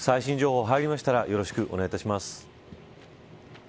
最新情報、入りましたらよろしくお願いします。